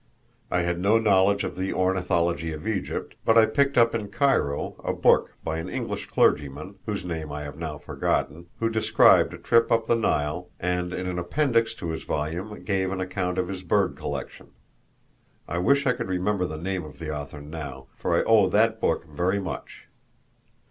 I had no knowledge of the ornithology of Egypt, but I picked up in Cairo a book by an English clergyman, whose name I have now forgotten, who described a trip up the Nile, and in an appendix to his volume gave an account of his bird collection. I wish I could remember the name of the author now, for I owe that book very much.